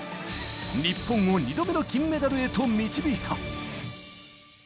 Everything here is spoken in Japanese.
日本を２度目の金メダルへと導いた。